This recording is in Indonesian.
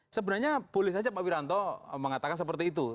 sebenarnya boleh saja pak wiranto mengatakan seperti itu